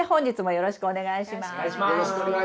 よろしくお願いします。